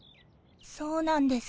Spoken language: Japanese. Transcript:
そうなんです。